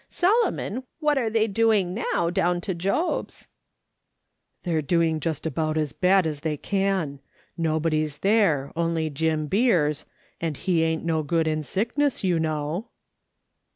Solomon, what are they doing now down to Job's ?"" They're doing just about as bad as they can. Nobody's there, only Jim Beers, and he ain't no good in sickness, you know."